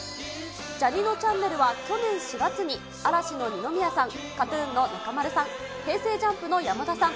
ジャにのちゃんねるは去年４月に、嵐の二宮さん、ＫＡＴーＴＵＮの中丸さん、Ｈｅｙ！